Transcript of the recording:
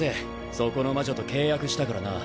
そこの魔女と契約したからな。